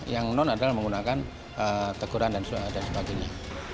yang non adalah menggunakan teguran dan sebagainya